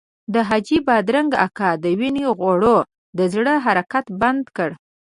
د حاجي بادرنګ اکا د وینو غوړو د زړه حرکت بند کړ.